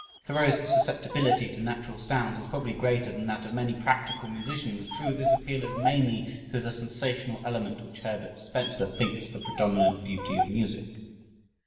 Thoreau's susceptibility to natural sounds was probably greater than that of many practical musicians. True, this appeal is mainly through the sensational element which Herbert Spencer thinks the predominant beauty of music.